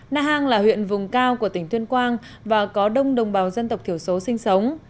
na hàng là huyện vùng cao của tỉnh tuyên quang và có đông đồng bào dân tộc thiểu số sinh sống